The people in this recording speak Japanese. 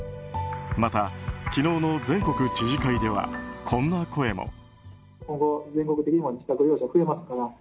また、昨日の全国知事会ではこんな声も。